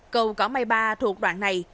cầu cỏ mây ba thuộc đoạn này